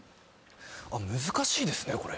難しいですねこれ。